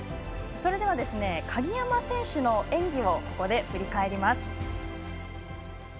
それでは、鍵山選手の演技をここで振り返ります。